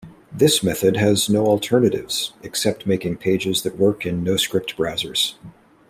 This method has no alternatives, except making pages that work in noscript browsers.